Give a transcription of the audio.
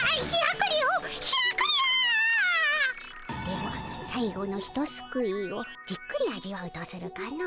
では最後のひとすくいをじっくり味わうとするかの。